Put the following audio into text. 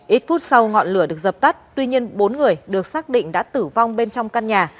ít phút sau ngọn lửa được dập tắt tuy nhiên bốn người được xác định đã tử vong bên trong căn nhà